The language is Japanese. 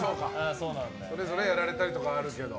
それぞれやられたりとかはあるけど。